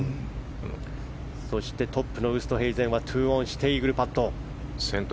そしてトップのウーストヘイゼンは２オンしてイーグルパット。